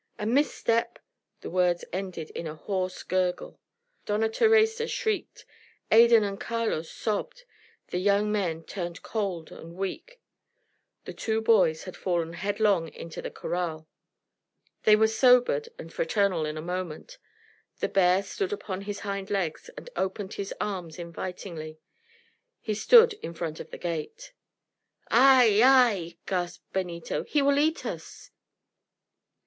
A misstep " The words ended in a hoarse gurgle. Dona Theresa shrieked. Adan and Carlos sobbed. The young men turned cold and weak. The two boys had fallen headlong into the corral. They were sobered and fraternal in a moment. The bear stood upon his hind legs and opened his arms invitingly. He stood in front of the gate. "Ay! ay!" gasped Benito. "He will eat us!"